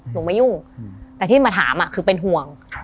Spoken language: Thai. หนูไม่ยุ่งแต่ที่มาถามคือเป็นห่วง